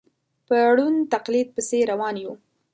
په ړوند تقلید پسې روان یو.